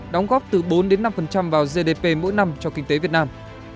đóng góp từ bốn năm vào gdp mỗi năm cho kinh tế việt nam